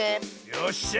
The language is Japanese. よっしゃ！